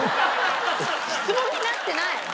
質問になってない！